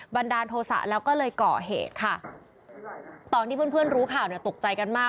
ดาลโทษะแล้วก็เลยก่อเหตุค่ะตอนที่เพื่อนเพื่อนรู้ข่าวเนี่ยตกใจกันมาก